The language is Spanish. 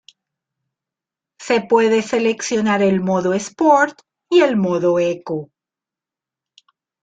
Se puede seleccionar el modo Sport y el modo Eco.